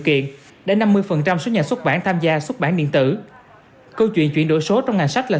kiện để năm mươi số nhà xuất bản tham gia xuất bản điện tử câu chuyện chuyển đổi số trong ngành sách là